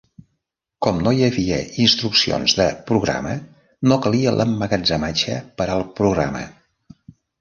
Com no hi havia instruccions de programa, no calia l'emmagatzematge per al programa.